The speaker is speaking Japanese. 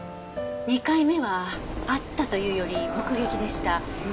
２回目は会ったというより目撃でした。